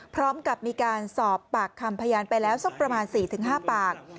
พร้อมกับมีการสอบปากคำพยานไปแล้วสักประมาณ๔๕ปาก